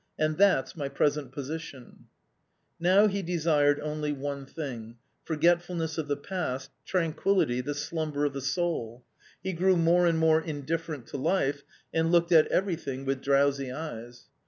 And that's my present position !" Now he desired only one thing — forgetfulness of the past, tranquillity, the slumber of the soul. He grew more and more indifferent to life, and looked at everything with drowsy eyes.